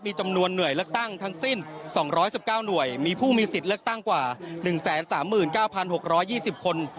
มีจำนวนหน่วยเลือกตั้งทั้งสิ้น๒๑๙หน่วยมีผู้มีสิทธิ์เลือกตั้งกว่า๑๓๙๖๒๐คน